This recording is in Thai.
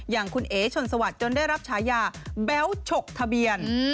อย่างคุณเอ๋ชนสวัสดิจนได้รับฉายาแบ๊วฉกทะเบียน